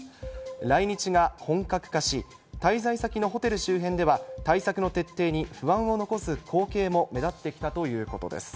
来日が本格化し、滞在先のホテル周辺では、対策の徹底に不安を残す光景も目立ってきたということです。